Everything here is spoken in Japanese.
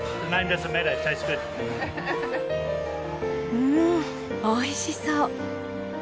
うん美味しそう。